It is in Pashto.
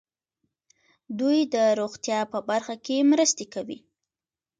دوی د روغتیا په برخه کې مرستې کوي.